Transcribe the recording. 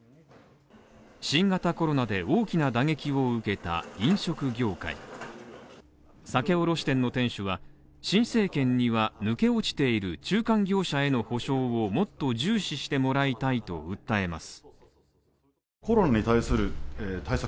新型コロナで大きな打撃を受けた飲食業界酒卸店の店主は、新政権には抜け落ちている中間業者への補償をもっと重視してもらいたいと訴えます。